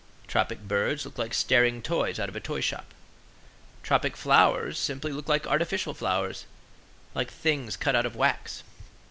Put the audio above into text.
Tropic birds look like staring toys out of a toy shop. Tropic flowers simply look like artificial flowers, like things cut out of wax.